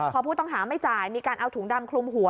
พอผู้ต้องหาไม่จ่ายมีการเอาถุงดำคลุมหัว